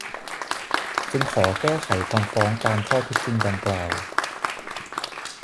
จึงขอแก้ไขคำฟ้องตามข้อเท็จจริงดังกล่าว